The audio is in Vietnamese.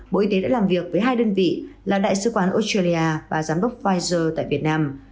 bộ y tế đã làm việc với hai đơn vị là đại sứ quán australia và giám đốc pfizer tại việt nam